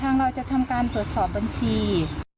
เราจะทำการตรวจสอบบัญชี